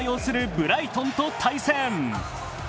ブライトンと対戦。